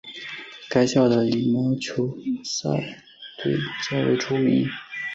该校的羽毛球校队较为著名。